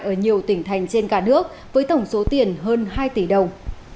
ở nhiều tỉnh thành trên cả nước với tổng số tiền hơn hai tỷ đồng